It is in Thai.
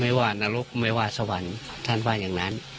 ไม่ว่านรกไม่ว่าสวรรค์ท่านว่าอย่างนั้น